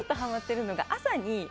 朝に。